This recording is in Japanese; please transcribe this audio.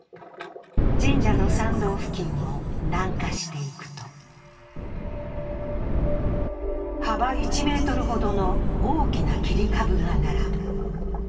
神社の参道付近を南下していくと幅１ｍほどの大きな切り株が並ぶ。